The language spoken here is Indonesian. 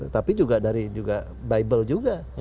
tapi juga dari bible juga